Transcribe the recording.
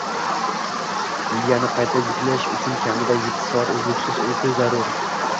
Miyani “qayta yuklash” uchun kamida yetti soat uzluksiz uyqu zarur.